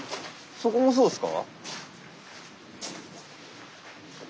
そこもそうですか？